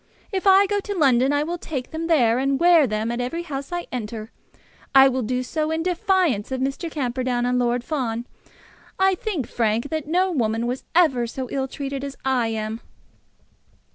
If I go to London, I will take them there, and wear them at every house I enter. I will do so in defiance of Mr. Camperdown and Lord Fawn. I think, Frank, that no woman was ever so ill treated as I am."